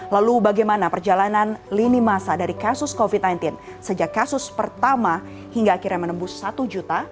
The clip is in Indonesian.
lalu bagaimana perjalanan lini masa dari kasus covid sembilan belas sejak kasus pertama hingga akhirnya menembus satu juta